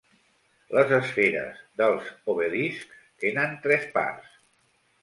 Les esferes dels obeliscs tenen tres parts.